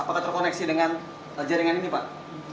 apakah terkoneksi dengan jaringan ini pak